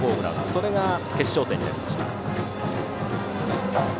それが決勝点になりました。